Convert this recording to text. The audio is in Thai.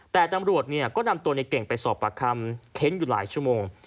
แต่ตำรวจก็นำตัวในเก่งไปสอบปากคำเค้นอยู่หลายชั่วโมง